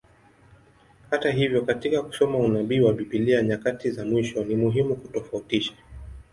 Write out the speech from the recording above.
Hata hivyo, katika kusoma unabii wa Biblia nyakati za mwisho, ni muhimu kutofautisha.